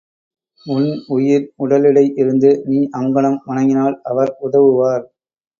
உன் உயிர் உடலிடை இருந்து நீ அங்ஙனம் வணங்கினால் அவர் உதவுவார்.